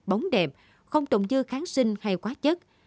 bóng đẹp không trồng dưa kháng sinh hay quá chất